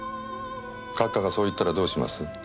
閣下がそう言ったらどうします？